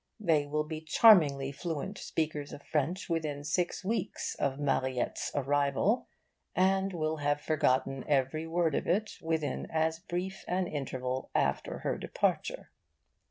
They will be charmingly fluent speakers of French within six weeks of Mariette's arrival, and will have forgotten every word of it within as brief an interval after her departure.